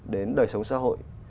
đến đời sống xã hội